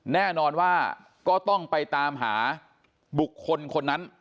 แน่นอนว่าก็ต้องไปตามหาบุคคลคนนั้น